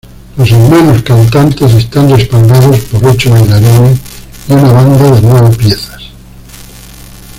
Los hermanos cantantes están respaldados por ocho bailarines y una banda de nueve piezas.